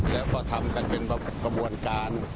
แล้วก็ทำกันเป็นกระบวนการ